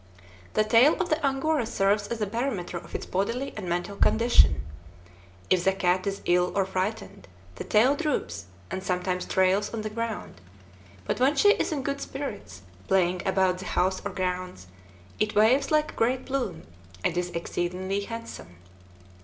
The tail of the Angora serves as a barometer of its bodily and mental condition. If the cat is ill or frightened, the tail droops, and sometimes trails on the ground; but when she is in good spirits, playing about the house or grounds, it waves like a great plume, and is exceedingly handsome.